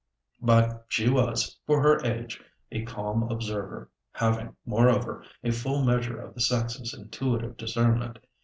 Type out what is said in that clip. But she was, for her age, a calm observer, having, moreover, a full measure of the sex's intuitive discernment.